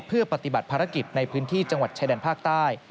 เพื่อปฏิบัติภารกิจในพื้นที่จังหวัดชายแดนภาคใต้